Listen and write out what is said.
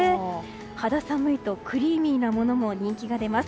肌寒いとクリーミーなものも人気が出ます。